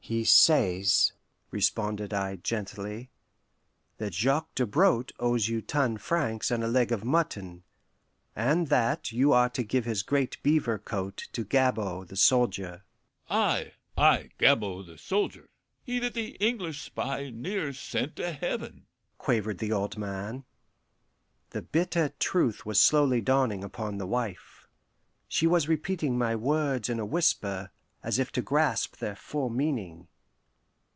"He says," responded I gently, "that Jacques Dobrotte owes you ten francs and a leg of mutton, and that you are to give his great beaver coat to Gabord the soldier." "Ay, ay, Gabord the soldier, he that the English spy near sent to heaven." quavered the old man. The bitter truth was slowly dawning upon the wife. She was repeating my words in a whisper, as if to grasp their full meaning.